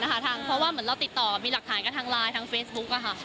เพราะว่าเหมือนเราติดต่อมีหลักฐานกับทางไลน์ทางเฟซบุ๊ก